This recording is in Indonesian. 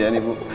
iya nih bu